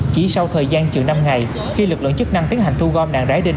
chỉ sau thời gian chữ năm ngày khi lực lượng chức năng tiến hành thu gom nạn rải đinh